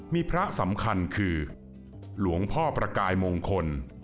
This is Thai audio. มีพระสำคัญคือหลวงพ่อประกายมงคล